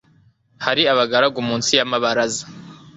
Hari abararaga munsi y'amabaraza,